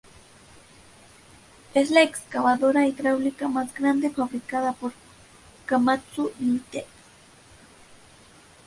Es la excavadora hidráulica más grande fabricada por Komatsu Limited.